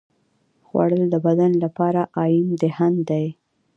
خوړل د بدن لپاره ایندھن دی